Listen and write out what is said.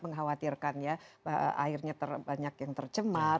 mengkhawatirkan ya akhirnya banyak yang tercemar